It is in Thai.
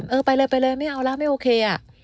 เออไปเลยไปเลยไม่เอาแล้วไม่โอเคอ่ะ